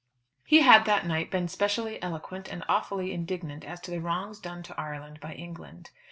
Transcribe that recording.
He had that night been specially eloquent and awfully indignant as to the wrongs done to Ireland by England.